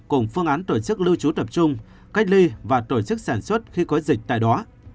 cùng phương án tổ chức lưu trú tập trung cách ly và tổ chức sản xuất khi có dịch tại đó